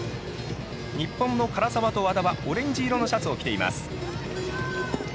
日本の唐澤と和田はオレンジ色のシャツを着ています。